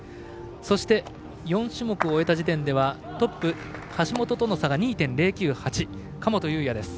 そして、４種目終えた時点ではトップ橋本との差が０．２９８の神本雄也です。